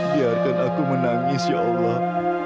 biarkan aku menangis ya allah